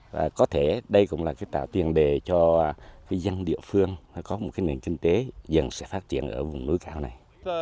và có thể đây cũng là cái tạo tiền đề cho dân địa phương có một cái nền kinh tế dần sẽ phát triển ở vùng núi cao này